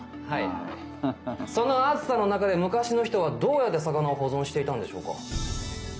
はいその暑さの中で昔の人はどうやって魚を保存していたんでしょうか？